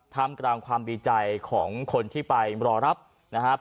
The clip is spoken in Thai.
ทำกลางความดีใจของคนที่ไปรอรับนะครับ